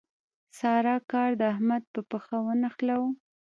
سارا کار د احمد په پښه ونښلاوو.